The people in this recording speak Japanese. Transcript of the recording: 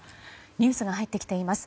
ニュースが入ってきています。